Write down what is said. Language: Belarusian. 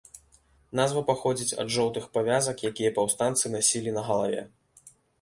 Назва паходзіць ад жоўтых павязак, якія паўстанцы насілі на галаве.